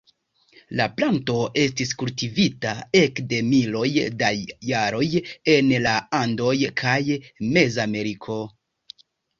La planto estis kultivita ekde miloj da jaroj en la Andoj kaj Mezameriko.